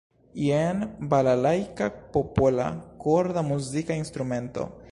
Jen "balalajka", popola korda muzika instrumento.